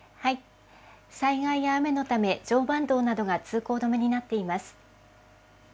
災害や雨のため、常磐道などが通行止めになっています。